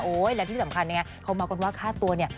และที่สำคัญเนี่ยเขาเมาส์กันว่าค่าตัวเนี่ย